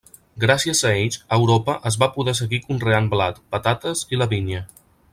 Gràcies a ells a Europa es va poder seguir conreant blat, patates i la vinya.